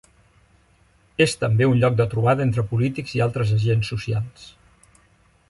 És també un lloc de trobada entre polítics i altres agents socials.